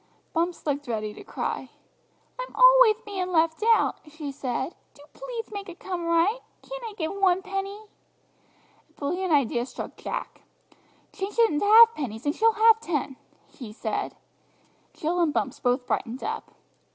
Bumps looked ready to cry. "I'm alwayth being left out," she said; "do pleath make it come right. Can't I give one penny?" A brilliant idea struck Jack. "Change it into halfpennies, and she'll have ten!" he said. Jill and Bumps both brightened up.